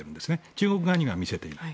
中国側には見せていない。